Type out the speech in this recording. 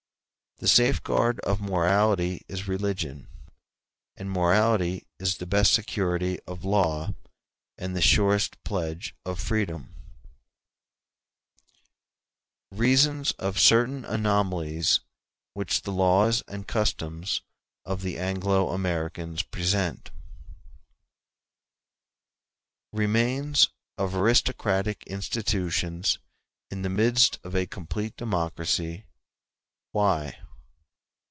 The safeguard of morality is religion, and morality is the best security of law and the surest pledge of freedom. *m m [ See Appendix, F.] Reasons Of Certain Anomalies Which The Laws And Customs Of The Anglo Americans Present Remains of aristocratic institutions in the midst of a complete democracy—Why?